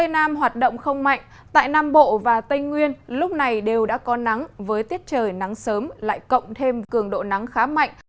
nam hoạt động không mạnh tại nam bộ và tây nguyên lúc này đều đã có nắng với tiết trời nắng sớm lại cộng thêm cường độ nắng khá mạnh